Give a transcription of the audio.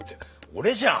俺じゃん。